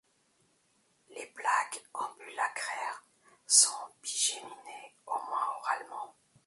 Les plaques ambulacraires sont bigéminées au moins oralement.